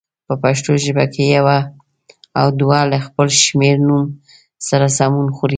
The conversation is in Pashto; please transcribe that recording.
په پښتو ژبه کې یو او دوه له خپل شمېرنوم سره سمون خوري.